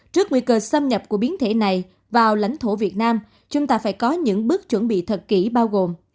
trước nguy cơ xâm nhập của biến thể này vào lãnh thổ việt nam chúng ta phải có những bước chuẩn bị thật kỹ bao gồm